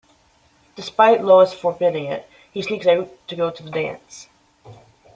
Despite Lois forbidding it, he sneaks out to go to the dance.